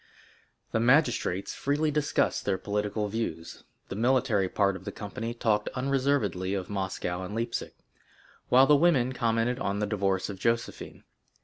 The magistrates freely discussed their political views; the military part of the company talked unreservedly of Moscow and Leipsic, while the women commented on the divorce of Josephine.